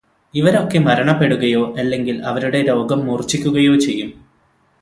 ഇവരൊക്കെ മരണപ്പെടുകയോ അല്ലെങ്കിൽ അവരുടെ രോഗം മൂർച്ഛിക്കുകയോ ചെയ്യും.